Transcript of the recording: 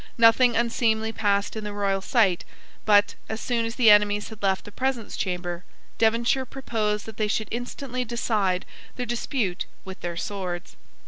Nothing unseemly passed in the royal sight; but, as soon as the enemies had left the presence chamber, Devonshire proposed that they should instantly decide their dispute with their swords.